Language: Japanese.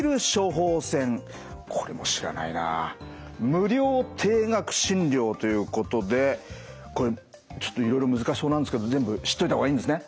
これも知らないな。ということでこれちょっといろいろ難しそうなんですけど全部知っといた方がいいんですね？